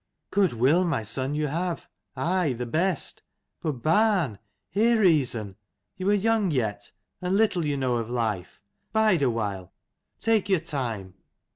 " Good will, my son you have: aye, the best. But, barn, hear reason. You are young yet, and little you know of life. Bide awhile ; take your time.